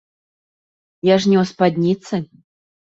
Я ж не ў спадніцы.